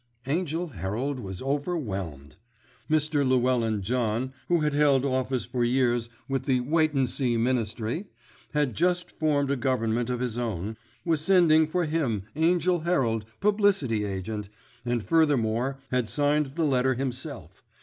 Angell Herald was overwhelmed. Mr. Llewellyn John, who had held office for years with the Waightensea Ministry, and had just formed a Government of his own, was sending for him, Angell Herald, Publicity Agent, and furthermore had signed the letter himself.